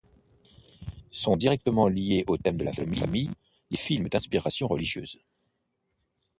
Sont directement liés au thème de la famille, les films d’inspiration religieuse.